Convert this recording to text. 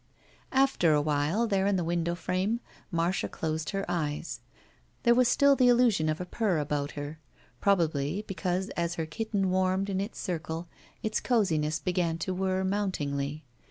After a while, there in the window frame, Marcia closed her eyes. There was still the illusion of a purr about her. Probably because, as her kitten warmed in its circle, its coziness began to whir mountingly.